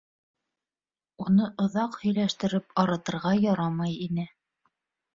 Уны оҙаҡ һөйләштереп арытырға ярамай ине.